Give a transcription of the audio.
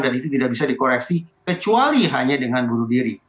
dan itu tidak bisa dikoreksi kecuali hanya dengan bunuh diri